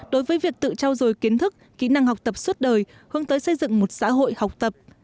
đối với việc tự trao dồi kiến thức kỹ năng học tập suốt đời hướng tới xây dựng một xã hội học tập